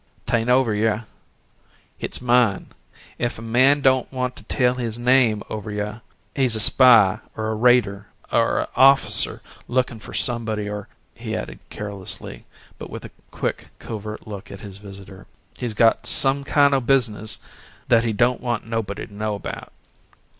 "Tain't over hyeh. Hit's mine. Ef a man don't want to tell his name over hyeh, he's a spy or a raider or a officer looking fer somebody or," he added carelessly, but with a quick covert look at his visitor "he's got some kind o' business that he don't want nobody to know about."